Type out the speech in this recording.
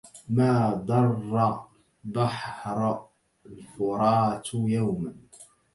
ما ضَرَّ بَحرَ الفُراتُ يَوماً